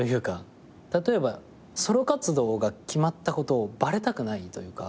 例えばソロ活動が決まったことをバレたくないというか。